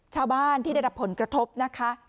ชาวบ้านที่ได้รับผลกระทบนะคะ